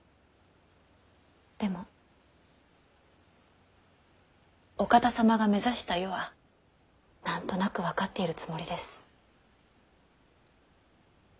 でもお方様が目指した世は何となく分かっているつもりです。